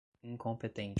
incompetente